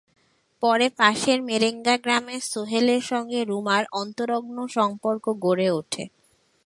পরে পাশের মেরেঙ্গা গ্রামের সোহেলের সঙ্গে রুমার অন্তরঙ্গ সম্পর্ক গড়ে ওঠে।